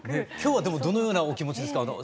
今日はでもどのようなお気持ちですか？